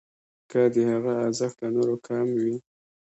که د هغه ارزښت له نورو کم وي.